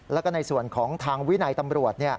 แล้วก็ในส่วนของทางวินัยตำรวจ